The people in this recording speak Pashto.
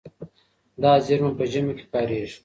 دا زېرمه په ژمي کې کارېږي.